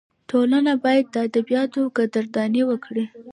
ټولنه باید د ادیبانو قدرداني وکړي.